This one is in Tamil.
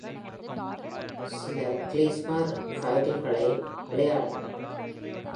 சில klezmer fiddleகளை விளையாடுங்கள்.